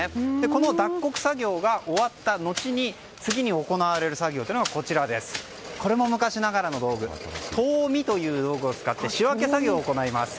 この脱穀作業が終わったのちに次に行われる作業というのがこれも昔ながらの道具唐箕という道具を使って仕分け作業を行います。